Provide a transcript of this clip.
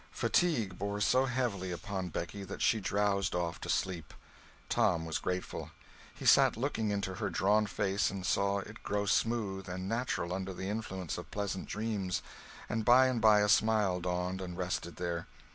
Fatigue bore so heavily upon Becky that she drowsed off to sleep. Tom was grateful. He sat looking into her drawn face and saw it grow smooth and natural under the influence of pleasant dreams; and by and by a smile dawned and rested there.